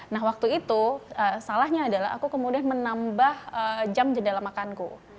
nah waktu itu salahnya adalah aku kemudian menambah jam jendela makanku